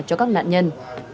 cho các nạn nhân